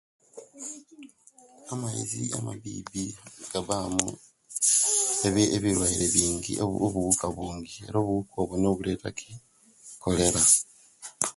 Amaizi amabibi gabamu ebi ebirwaire biingi obu obuuka wuungi, obuuka buno obuleeta ki, cholera.